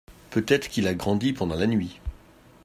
Peut-être qu’il a grandi pendant la nuit.